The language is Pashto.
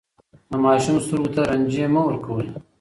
د ماشوم سترګو ته رنجې مه ورکوئ.